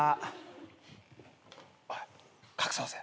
おい隠そうぜ。